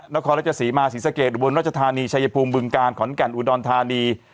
นครรัฐศรีมาศรีสะเกตบุญราชธานีชายภูมิบึงการขอนกันอุดอนธานี